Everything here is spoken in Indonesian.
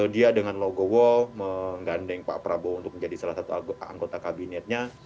dia dengan logowo menggandeng pak prabowo untuk menjadi salah satu anggota kabinetnya